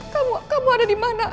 kamu kamu ada dimana